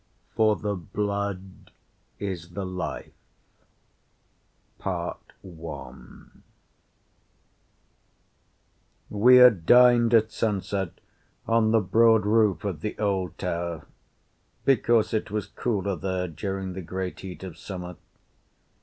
FOR THE BLOOD IS THE LIFE We had dined at sunset on the broad roof of the old tower, because it was cooler there during the great heat of summer.